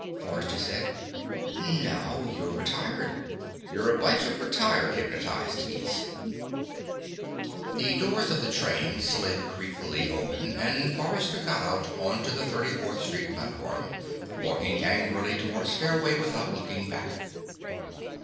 Forrester said. "Now you're retired. You're a bunch of retired hypnotized geese." The doors of the train slid creakily open and Forrester got out onto the 34th Street platform, walking angrily toward a stairway without looking back.